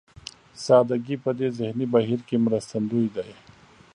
سادهګي په دې ذهني بهير کې مرستندوی دی.